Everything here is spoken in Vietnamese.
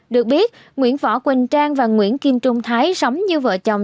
được biết nguyễn võ quỳnh trang và nguyễn kim trung thái sống như vợ chồng